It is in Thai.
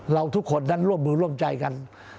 ทุกคนนั้นร่วมมือร่วมใจกัน